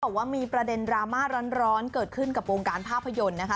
บอกว่ามีประเด็นดราม่าร้อนเกิดขึ้นกับวงการภาพยนตร์นะคะ